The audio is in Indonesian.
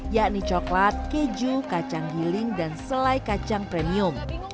yakni coklat keju kacang giling dan selai kacang premium